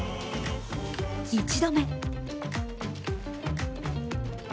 １度目。